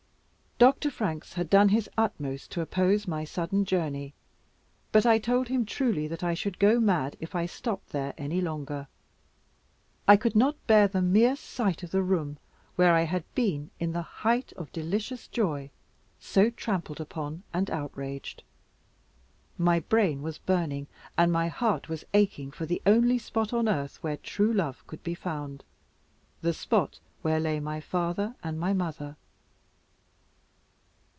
Dr. Franks had done his utmost to oppose my sudden journey, but I told him truly that I should go mad if I stopped there any longer. I could not bear the mere sight of the room where I had been, in the height of delicious joy, so trampled upon and outraged. My brain was burning, and my heart was aching for the only spot on earth where true love could be found, the spot where lay my father and my mother.